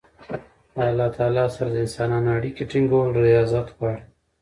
د الله تعالی سره د انسانانو اړیکي ټینګول رياضت غواړي.